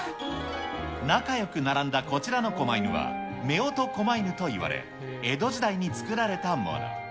仲よく並んだこちらのこま犬は、めおとこま犬と呼ばれ、江戸時代に作られたもの。